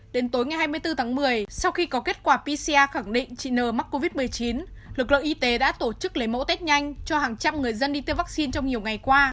đến tối ngày hai mươi bốn tháng một mươi sau khi có kết quả pcr khẳng định chị n mắc covid một mươi chín lực lượng y tế đã tổ chức lấy mẫu test nhanh cho hàng trăm người dân đi tiêm vaccine trong nhiều ngày qua